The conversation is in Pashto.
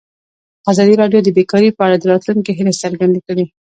ازادي راډیو د بیکاري په اړه د راتلونکي هیلې څرګندې کړې.